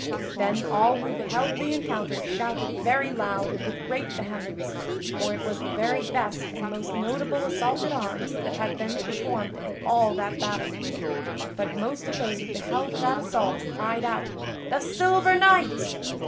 Then all who beheld the encounter shouted very loud and with great vehemence, for it was the very best and most notable assault at arms that had been performed in all that battle. But most of those who beheld that assault cried out "The Silver Knight!"